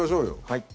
はい。